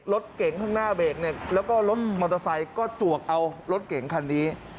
รถเก๋งข้างหน้าเบรกเนี่ยแล้วก็รถมอเตอร์ไซค์ก็จวกเอารถเก่งคันนี้